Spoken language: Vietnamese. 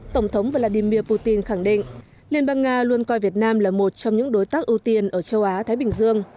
tổng thống vladimir putin khẳng định liên bang nga luôn coi việt nam là một trong những đối tác ưu tiên ở châu á thái bình dương